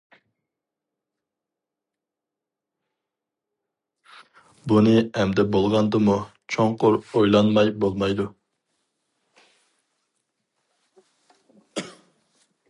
بۇنى ئەمدى بولغاندىمۇ چوڭقۇر ئويلانماي بولمايدۇ.